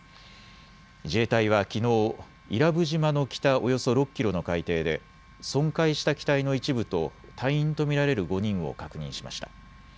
自衛隊はきのう伊良部島の北およそ６キロの海底で損壊した機体の一部と隊員と見られる５人を確認しました。